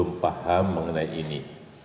belum paham mengenai ini